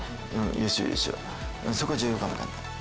優秀優秀そこ重要かもわかんない。